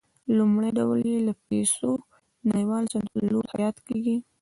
لومړی ډول یې د پیسو نړیوال صندوق له لوري حیات کېږي.